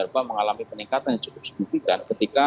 kita dapat mengalami peningkatan yang cukup signifikan